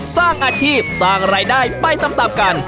สร้างอาชีพสร้างรายได้ไปตามกัน